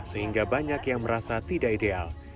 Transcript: sehingga banyak yang merasa tidak ideal